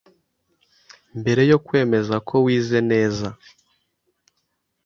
Mbere yo kwemeza ko wize neza,